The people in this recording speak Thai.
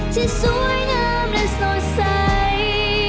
ที่สวยงามและสดใส